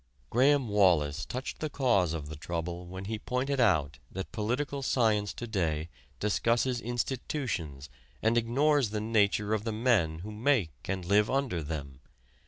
Graham Wallas touched the cause of the trouble when he pointed out that political science to day discusses institutions and ignores the nature of the men who make and live under them.